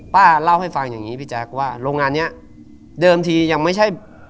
ป้าเล่าให้ฟังอย่างนี้พี่แจ๊คว่าโรงงานเนี้ยเดิมทียังไม่ใช่